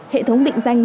hệ thống định danh